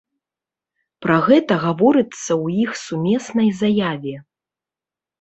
Пра гэта гаворыцца ў іх сумеснай заяве.